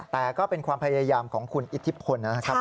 แต่ก็เป็นความพยายามของคุณอิทธิพลนะครับ